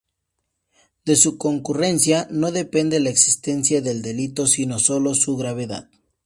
De su concurrencia, no depende la existencia del delito, sino sólo su gravedad.